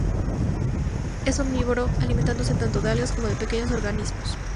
Es omnívoro, alimentándose tanto de algas como de pequeños organismos.